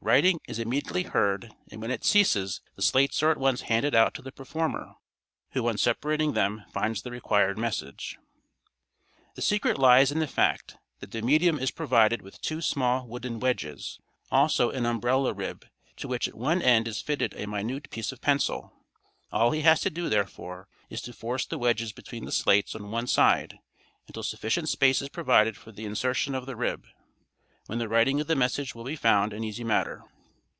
Writing is immediately heard, and when it ceases the slates are at once handed out to the performer, who on separating them finds the required message. The secret lies in the fact that the medium is provided with two small wooden wedges; also an umbrella rib, to which at one end is fitted a minute piece of pencil. All he has to do, therefore, is to force the wedges between the slates on one side until sufficient space is provided for the insertion of the rib, when the writing of the message will be found an easy matter.